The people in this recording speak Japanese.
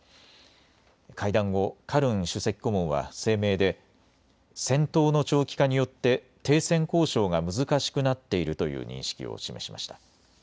会談後、カルン首席顧問は声明で戦闘の長期化によって停戦交渉が難しくなっているという認識を示しました。